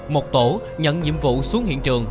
một tổ nhận nhiệm vụ xuống hiện trường